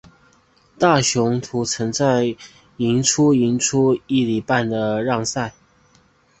大雄图曾在赢出赢出一哩半的让赛。